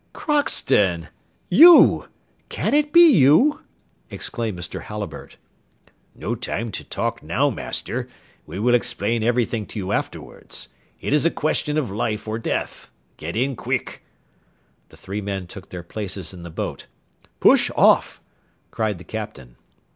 "Crockston! you! Can it be you?" exclaimed Mr. Halliburtt. "No time to talk now, master; we will explain everything to you afterwards. It is a question of life or death. Get in quick!" The three men took their places in the boat. "Push off!" cried the captain.